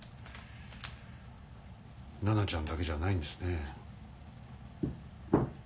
奈々ちゃんだけじゃないんですね。